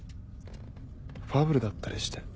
ファブルだったりして。